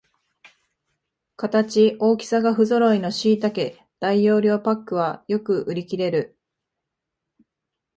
形、大きさがふぞろいのしいたけ大容量パックはよく売りきれる